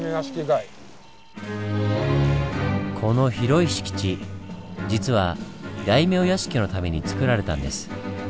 この広い敷地実は大名屋敷のためにつくられたんです。